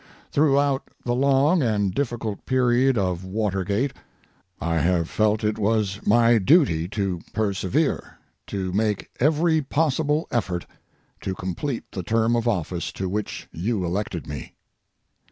Throughout the long and difficult period of Watergate, I have felt it was my duty to persevere, to make every possible effort to complete the term of office to which you elected me.